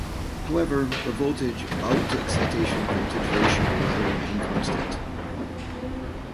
However, the voltage out to excitation voltage ratio will remain constant.